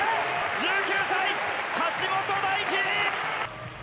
１９歳、橋本大輝！